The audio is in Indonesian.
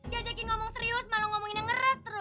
diajakin ngomong serius malah ngomongin yang ngeras terus